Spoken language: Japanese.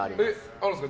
あるんですか？